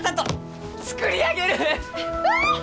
わあ！